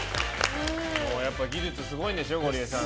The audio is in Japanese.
やっぱ技術すごいんでしょゴリエさん。